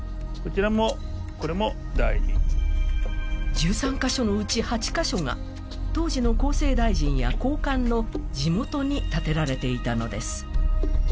１３か所のうち８カ所が、当時の厚生大臣や高官の地元に建てられていたのです。